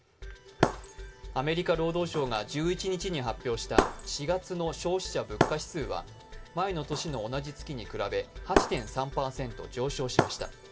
アメリカ労働省が１１日に発表した４月の消費者物価指数は前の年の同じ月に比べ８．３％上昇しました。